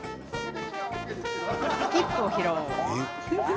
スキップを披露！